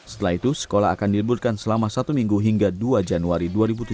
setelah itu sekolah akan direbutkan selama satu minggu hingga dua januari dua ribu tujuh belas